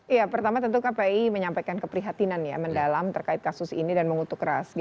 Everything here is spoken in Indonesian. ya pertama tentu kpai menyampaikan keprihatinan ya mendalam terkait kasus ini dan mengutuk ras